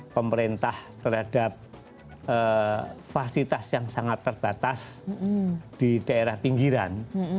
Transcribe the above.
pemerintah terhadap fasilitas yang sangat terbatas di daerah pinggiran